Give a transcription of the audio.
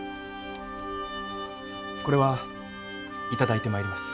これは頂いて参ります。